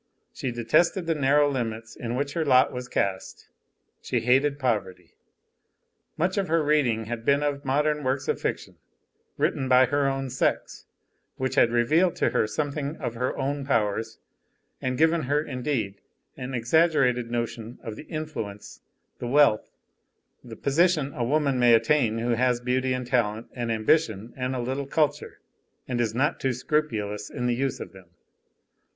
She detested the narrow limits in which her lot was cast, she hated poverty. Much of her reading had been of modern works of fiction, written by her own sex, which had revealed to her something of her own powers and given her indeed, an exaggerated notion of the influence, the wealth, the position a woman may attain who has beauty and talent and ambition and a little culture, and is not too scrupulous in the use of them.